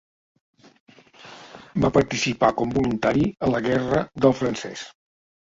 Va participar com voluntari a la guerra del francès.